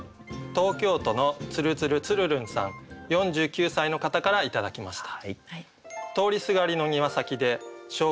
東京都のつるつるつるるんさん４９歳の方から頂きました。